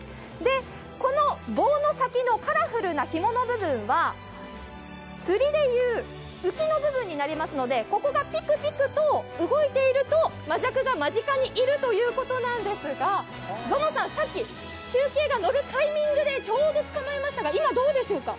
この棒の先のカラフルなひもの部分は釣りでいう、浮きの部分になりますのでここがピクピクと動いているとマジャクが間近にいるということですがゾノさん、中継が乗るタイミングでちょうど捕まえましたが今、どうでしょうか？